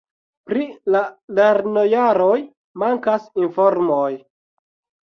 Pri la lernojaroj mankas informoj.